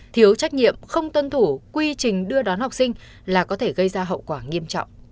thiếu trách nhiệm không tuân thủ quy trình đưa đón học sinh là có thể gây ra hậu quả nghiêm trọng